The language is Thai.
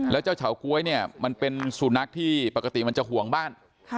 แล้วเจ้าเฉาก๊วยเนี่ยมันเป็นสุนัขที่ปกติมันจะห่วงบ้าน